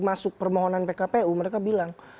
masuk permohonan pkpu mereka bilang